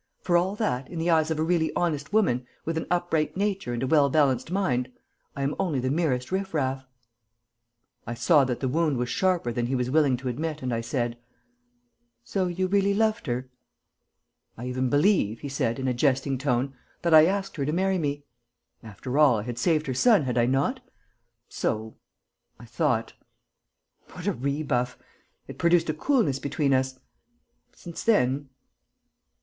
For all that, in the eyes of a really honest woman, with an upright nature and a well balanced mind, I am only the merest riff raff." I saw that the wound was sharper than he was willing to admit, and I said: "So you really loved her?" "I even believe," he said, in a jesting tone, "that I asked her to marry me. After all, I had saved her son, had I not?... So ... I thought. What a rebuff!... It produced a coolness between us.... Since then...."